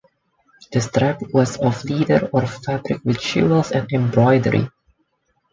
The strap was of leather or fabric with jewels and embroidery.